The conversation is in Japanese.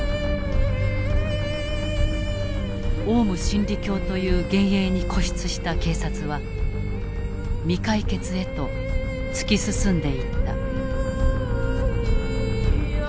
オウム真理教という幻影に固執した警察は未解決へと突き進んでいった。